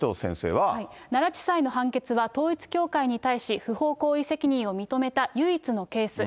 奈良地裁の判決は、統一教会に対し、不法行為責任を認めた唯一のケース。